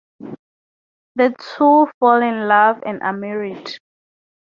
The two fall in love and are married.